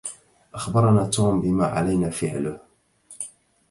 أخبرنا توم بما علينا فعله.